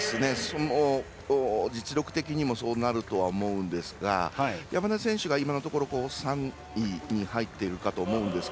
実力的にもそうなるとは思うんですが山田選手が今のところ３位に入っているかと思いますが。